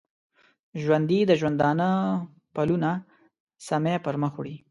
ژوندي د ژوندانه پلونه سمی پرمخ وړي